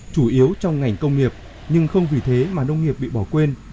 chủ yếu trong ngành công nghiệp nhưng không vì thế mà nông nghiệp bị bỏ quên